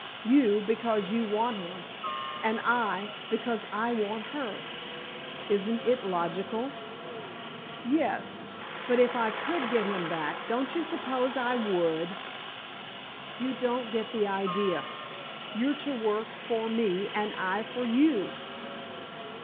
You, because you want him, and I, because I want her. Isn't it logical?" "Yes; but if I could get him back, don't you suppose I would?" "You don't get the idea. You're to work for me, and I for you."